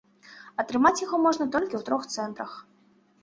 Атрымаць яго можна толькі ў трох цэнтрах.